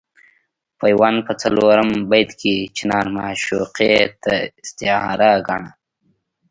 پیوند په څلورم بیت کې چنار معشوقې ته استعاره ګاڼه.